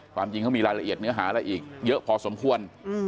ความจริงเขามีรายละเอียดเนื้อหาอะไรอีกเยอะพอสมควร